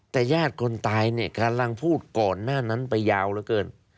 แต่ญาติคนตายเนี่ยกำลังพูดก่อนหน้านั้นไปยาวเหลือเกิน